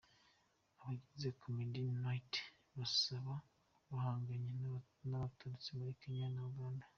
Abagize Comedy Knights bazaba bahanganye nabaturutse muri Kenya na Uganda.